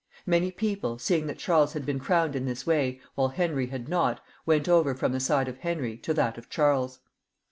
Many people, seeing that Charles had been crowned in this way, while Henry had not, went over from the side of Henry to that of Charles.